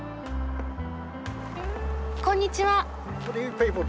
こんにちは。